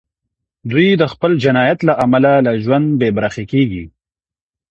دوی د خپل جنایت له امله له ژوند بې برخې کېږي.